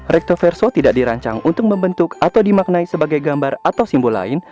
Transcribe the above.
rektoverso tidak dirancang untuk membentuk atau dimaknai sebagai gambar atau simbol lain